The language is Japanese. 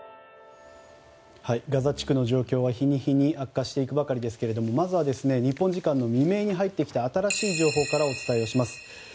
ガザ地区の状況は日に日に悪化していくばかりですがまずは日本時間の未明に入ってきた新しい情報からお伝えします。